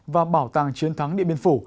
và bảo tàng chiến thắng điện biên phủ